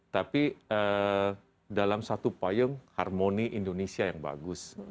tapi dalam satu payung harmoni indonesia yang bagus